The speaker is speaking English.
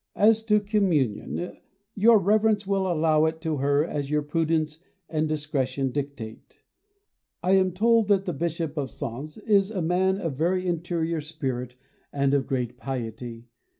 As to communion, your Reverence will allow it to her as your prudence and discretion dictate. I am told that the Bishop of Sens is a man of a very interior spirit and of great piety.